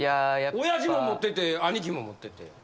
親父も持ってて兄貴も持ってて。